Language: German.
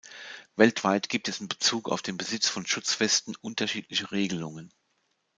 Weltweit gibt es in Bezug auf den Besitz von Schutzwesten unterschiedliche Regelungen.